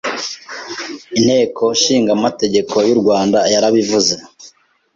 Inteko Ishinga amategeko yurwanda yarabivuze